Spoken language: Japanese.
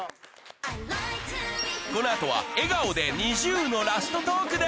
この後は笑顔でＮｉｚｉＵのラストトークです